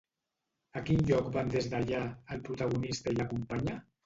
A quin lloc van des d'allà, el protagonista i la companya?